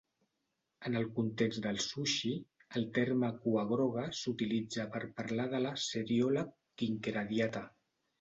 En el context del sushi, el terme "cua groga" s'utilitza per parlar de la "Seriola quinqueradiata".